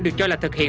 được cho là thực hiện